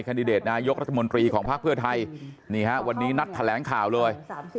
คันดิเดตนายกรัฐมนตรีของภาคเพื่อไทยวันนี้นัดแถลงข่าวเลย